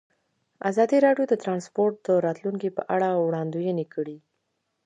ازادي راډیو د ترانسپورټ د راتلونکې په اړه وړاندوینې کړې.